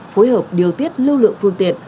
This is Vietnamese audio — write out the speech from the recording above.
phối hợp điều tiết lưu lượng phương tiện